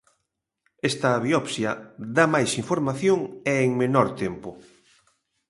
Esta biopsia dá máis información e en menor tempo.